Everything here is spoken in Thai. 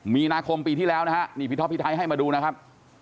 มีนาคมปีที่แล้วนะฮะนี่พี่ท็อปพี่ไทยให้มาดูนะครับ